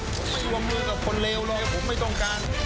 ผมไม่วงมือกับคนเลวเลยผมไม่ต้องการ